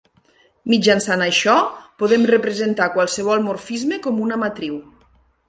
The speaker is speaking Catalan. Mitjançant això, podem representar qualsevol morfisme com una matriu.